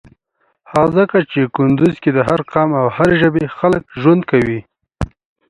هغه ځکه چی کندوز کی د هر قام او هری ژبی خلک ژوند کویی.